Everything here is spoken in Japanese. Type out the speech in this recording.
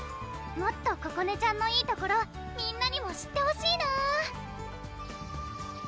もっとここねちゃんのいいところみんなにも知ってほしいなー！